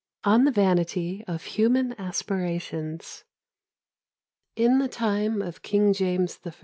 ON THE VANITY OF HUMAN ASPIRATIONS. " In the time of King James I.